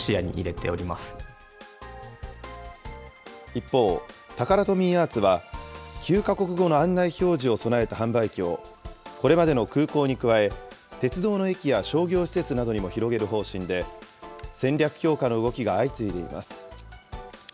一方、タカラトミーアーツは９か国語の案内表示を備えた販売機を、これまでの空港に加え、鉄道の駅や商業施設などにも広げる方針で、戦略強化の動きが相次いでいます。